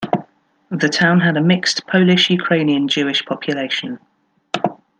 The town had a mixed Polish-Ukrainian-Jewish population.